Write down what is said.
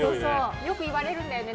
よく言われるんだよね。